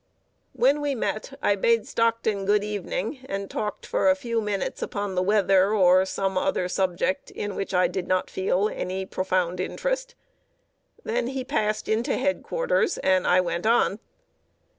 When we met, I bade Stockton good evening, and talked for a few minutes upon the weather, or some other subject in which I did not feel any very profound interest. Then he passed into head quarters, and I went on.